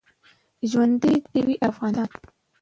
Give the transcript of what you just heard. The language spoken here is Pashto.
ژوندۍ د وی افغانستان